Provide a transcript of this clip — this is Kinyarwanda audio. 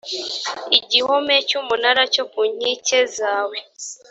igihome cy umunara cyo ku nkike zawe